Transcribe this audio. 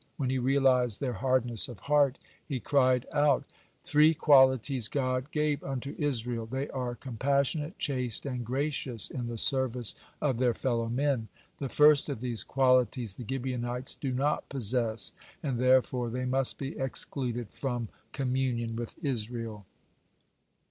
When he realized their hardness of heart, he cried out: "Three qualities God gave unto Israel; they are compassionate, chaste, and gracious in the service of their fellow men. The first of these qualities the Gibeonites do not possess, and therefore they must be excluded from communion with Israel."